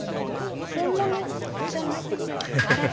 本物じゃないってこと？